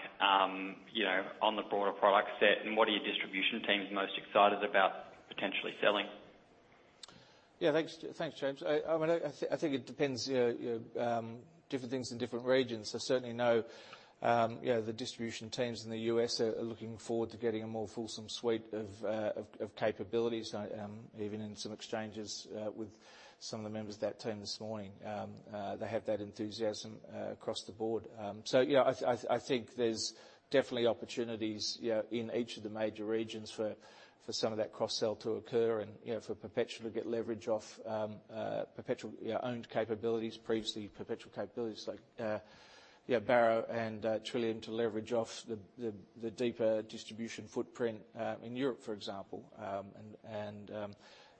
you know, on the broader product set? What are your distribution teams most excited about potentially selling? Yeah, thanks. Thanks, James. I mean, I think it depends, you know, different things in different regions. I certainly know, you know, the distribution teams in the U.S. are looking forward to getting a more fulsome suite of capabilities. Even in some exchanges with some of the members of that team this morning, they have that enthusiasm across the board. Yeah, I think there's definitely opportunities, you know, in each of the major regions for some of that cross-sell to occur and, you know, for Perpetual to get leverage off Perpetual, you know, owned capabilities, previously Perpetual capabilities like, you know, Barrow and Trillium to leverage off the deeper distribution footprint in Europe, for example.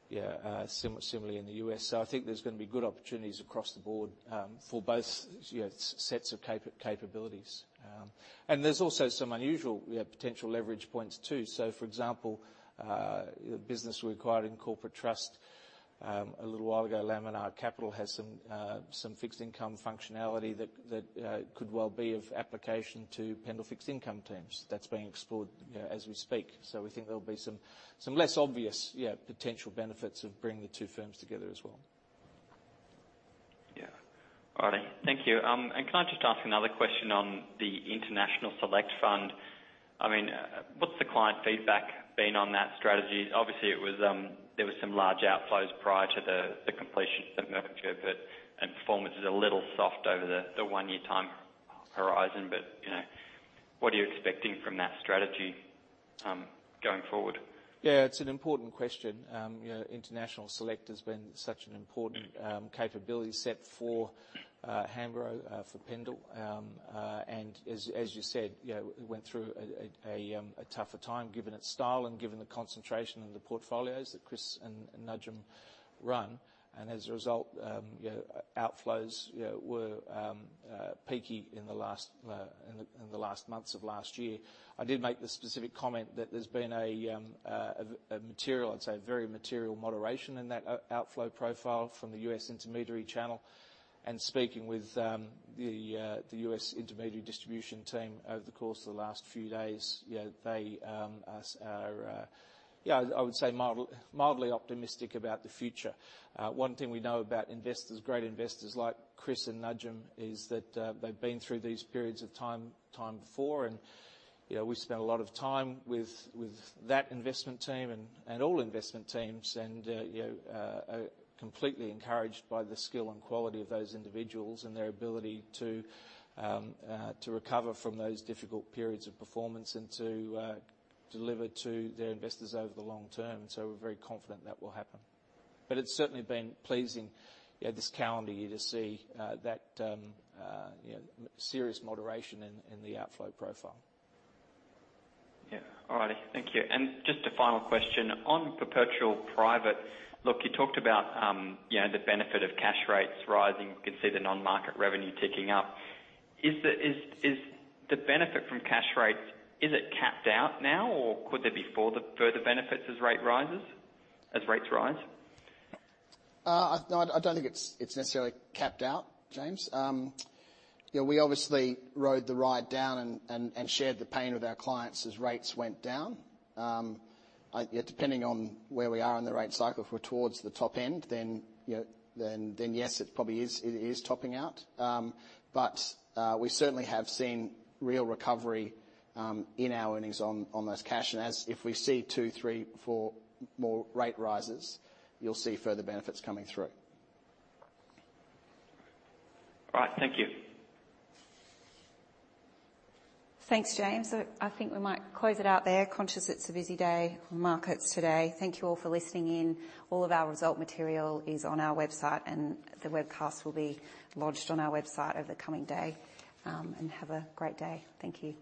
Yeah, similarly in the U.S. I think there's gonna be good opportunities across the board, for both, you know, sets of capabilities. And there's also some unusual, we have potential leverage points too. For example, business we acquired in Corporate Trust. A little while ago, Laminar Capital has some fixed income functionality that could well be of application to Pendal Fixed Income teams. That's being explored, yeah, as we speak. We think there'll be some less obvious, yeah, potential benefits of bringing the two firms together as well. Yeah. All righty. Thank you. Can I just ask another question on the International Select Fund? I mean, what's the client feedback been on that strategy? Obviously, it was, there was some large outflows prior to the completion of the merger, performance is a little soft over the one-year time horizon. You know, what are you expecting from that strategy going forward? Yeah, it's an important question. You know, International Select has been such an important capability set for Hambro, for Pendal. As you said, you know, it went through a tougher time given its style and given the concentration of the portfolios that Chris and Najim run, and as a result, outflows were peaky in the last months of last year. I did make the specific comment that there's been a material, I'd say a very material moderation in that outflow profile from the U.S. intermediary channel. Speaking with the U.S. intermediary distribution team over the course of the last few days, you know, they are, I would say, mildly optimistic about the future. One thing we know about investors, great investors like Chris and Najim, is that they've been through these periods of time before. You know, we've spent a lot of time with that investment team and all investment teams and, you know, are completely encouraged by the skill and quality of those individuals and their ability to recover from those difficult periods of performance and to deliver to their investors over the long term. We're very confident that will happen. It's certainly been pleasing, yeah, this calendar year to see that, you know, serious moderation in the outflow profile. Yeah. All righty. Thank you. Just a final question. On Perpetual Private, look, you talked about, you know, the benefit of cash rates rising. We can see the non-market revenue ticking up. Is the benefit from cash rates, is it capped out now, or could there be further benefits as rates rise? I don't think it's necessarily capped out, James. You know, we obviously rode the ride down and shared the pain with our clients as rates went down. Yeah, depending on where we are in the rate cycle, if we're towards the top end, then, you know, then, yes, it probably is topping out. We certainly have seen real recovery in our earnings on those cash. As if we see two, three, four more rate rises, you'll see further benefits coming through. All right. Thank you. Thanks, James. I think we might close it out there. Conscious it's a busy day on markets today. Thank you all for listening in. All of our result material is on our website, and the webcast will be lodged on our website over the coming day. Have a great day. Thank you.